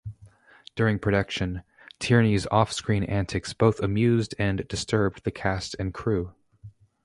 During production, Tierney's off-screen antics both amused and disturbed the cast and crew.